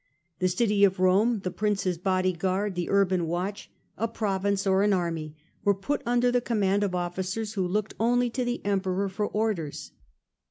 The city of Rome, the princess bodyguard, the urban watch, a province or an army, were put under the command of officers who looked only to the Emperor for orders.